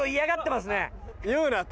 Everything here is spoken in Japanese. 言うなと。